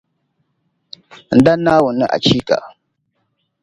ndana, Naawuni ni a dalibarika .